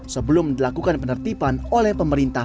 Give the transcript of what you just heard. sebelum dilakukan penertiban oleh pemerintah